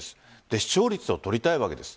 視聴率を取りたいわけです。